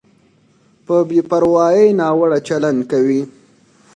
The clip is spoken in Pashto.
په بې پروایۍ ناوړه چلند کوي.